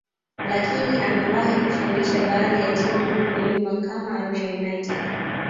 lakini amewahi kufundisha baadhi ya timu huko nyuma kama Arusha United